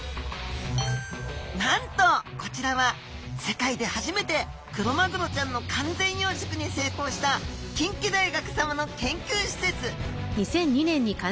なんとこちらは世界で初めてクロマグロちゃんの完全養殖に成功した近畿大学さまの研究施設。